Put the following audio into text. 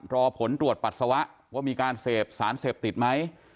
รอผลตรวจปัสสาวะว่ามีการเสพสารเสพติดไหม